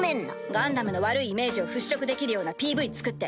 ガンダムの悪いイメージを払拭できるようなＰＶ作って。